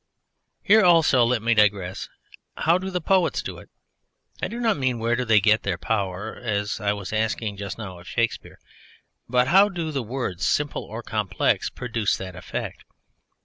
Here also let me digress. How do the poets do it? (I do not mean where do they get their power, as I was asking just now of Shakespeare, but how do the words, simple or complex, produce that effect?)